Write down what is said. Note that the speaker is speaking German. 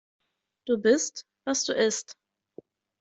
Du bist, was du isst.